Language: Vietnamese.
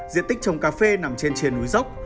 diện tích trồng cà phê nằm trên triển núi dốc